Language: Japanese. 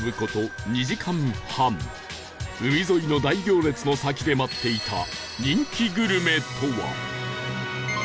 海沿いの大行列の先で待っていた人気グルメとは？